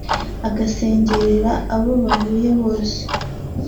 agasengerera abo bahuye bose